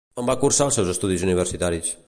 On va cursar els seus estudis universitaris?